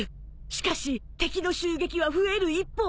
しかし敵の襲撃は増える一方。